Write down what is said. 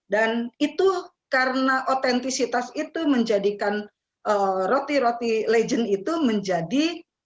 dan itu karena otentisitas itu menjadikan roti roti legend itu menjadi